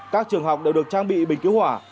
các trường học đều được trang bị bình cứu hỏa